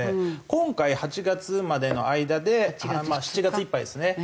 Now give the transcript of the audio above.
今回８月までの間でまあ７月いっぱいですね